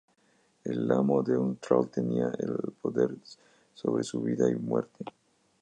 El amo de un thrall tenía el poder sobre su vida y muerte.